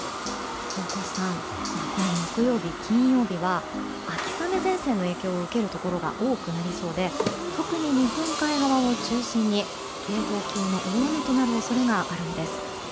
大越さん、この木曜日金曜日は秋雨前線の影響を受けるところが多くなりそうで特に日本海側を中心に警報級の大雨となる恐れがあるんです。